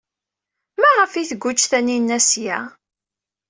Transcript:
Maɣef ay tguǧǧ Taninna seg-a?